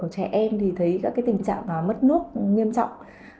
trẻ em thì thấy các tình trạng mất nước nghiêm trọng